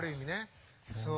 そう。